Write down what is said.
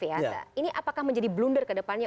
ini apakah menjadi blunder ke depannya